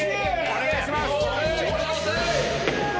お願いします！